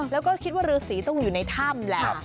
แล้วก็คิดว่าฤษีต้องอยู่ในถ้ำแหละ